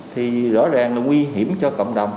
thì rõ ràng là nguy hiểm cho cộng đồng